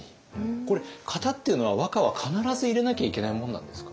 これ型っていうのは和歌は必ず入れなきゃいけないものなんですか？